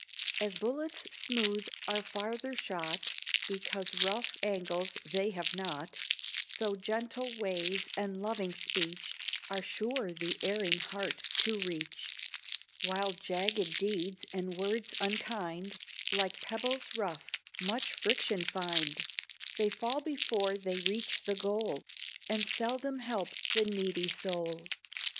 As bullets smooth are farther shot, Because rough angles they have not, So gentle ways and loving speech Are sure the erring heart to reach, While jagged deeds and words unkind, Like pebbles rough, much friction find; They fall before they reach the goal, And seldom help the needy soul.